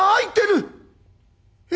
「え？